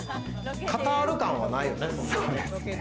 カタール感はないよね。